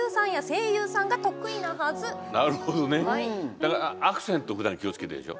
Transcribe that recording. だから、アクセントふだん気をつけてるでしょ。